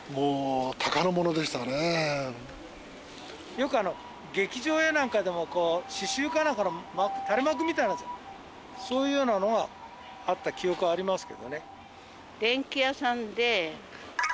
よく劇場やなんかでも刺繍かなんかの垂れ幕みたいなやつそういうようなものはあった記憶ありますけどね。